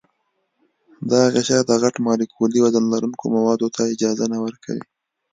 دا غشا د غټ مالیکولي وزن لرونکو موادو ته اجازه نه ورکوي.